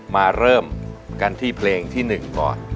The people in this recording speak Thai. มาเริ่มกันที่เพลงที่๑ก่อน